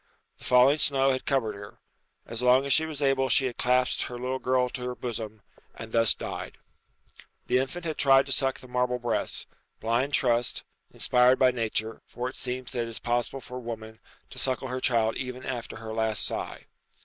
The falling snow had covered her. So long as she was able she had clasped her little girl to her bosom, and thus died. The infant had tried to suck the marble breast. Blind trust, inspired by nature, for it seems that it is possible for a woman to suckle her child even after her last sigh.